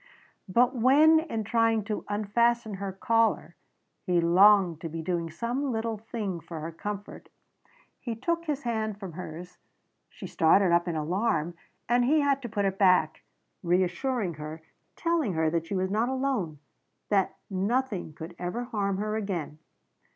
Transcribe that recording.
But when, in trying to unfasten her collar he longed to be doing some little thing for her comfort he took his hand from hers, she started up in alarm and he had to put it back, reassuring her, telling her that she was not alone, that nothing could ever harm her again.